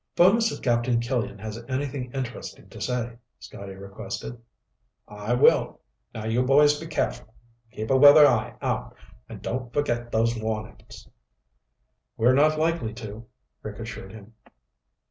"Phone us if Captain Killian has anything interesting to say," Scotty requested. "I will. Now you boys be careful. Keep a weather eye out, and don't forget those warnings." "We're not likely to," Rick assured him.